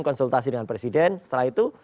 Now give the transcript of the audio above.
konsultasi dengan presiden setelah itu